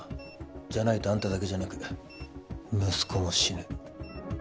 じゃないとあんただけじゃなく息子も死ぬ。